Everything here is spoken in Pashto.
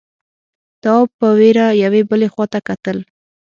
تواب په وېره يوې بلې خواته کتل…